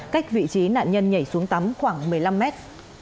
cách vị trí nạn nhân nhảy xuống tắm khoảng một mươi năm mét